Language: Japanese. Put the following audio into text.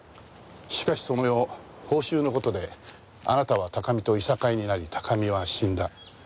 しかしその夜報酬の事であなたは高見と諍いになり高見は死んだ。